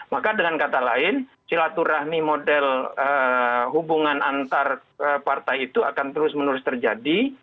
maka dengan kata lain silaturahmi model hubungan antar partai itu akan terus menerus terjadi